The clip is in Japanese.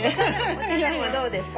お茶でもどうですか？